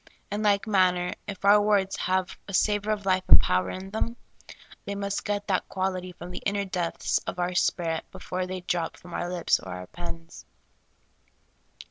In like manner, if our words have a sa vor of life and power in them, they must get that quality from the inner depths of our spirit before they I 6 SOUL FOOD. drop from our lips or our pens.